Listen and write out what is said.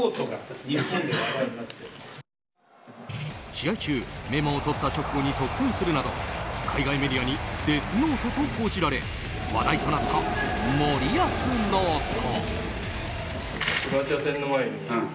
試合中、メモを取った直後に得点するなど海外メディアにデスノートと報じられ話題となった森保ノート。